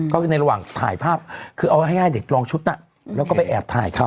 ก็ในระวังถ่ายภาพคือเอาให้ได้เด็กลองชุดน่ะแล้วก็ไปแอบถ่ายเขา